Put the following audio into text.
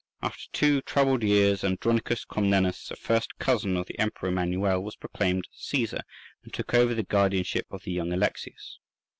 After two troubled years Andronicus Comnenus, a first cousin of the Emperor Manuel, was proclaimed Caesar, and took over the guardianship of the young Alexius.